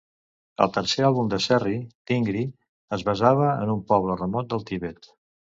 El tercer àlbum de Serrie, "Tingri", es basava en un poble remot del Tibet.